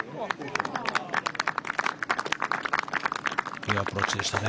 いいアプローチでしたね。